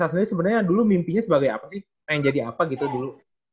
tapi kak faisal sebenernya dulu mimpinya sebagai apa sih pengen jadi apa gitu dulu